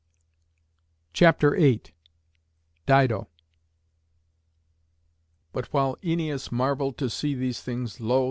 CHAPTER VIII. DIDO. But while Æneas marvelled to see these things lo!